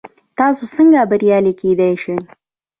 تاسو څنګه بریالي کیدی شئ؟